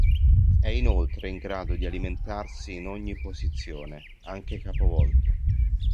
È inoltre in grado di alimentarsi in ogni posizione, anche capovolto.